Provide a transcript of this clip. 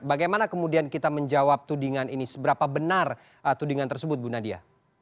bagaimana kemudian kita menjawab tudingan ini seberapa benar tudingan tersebut bu nadia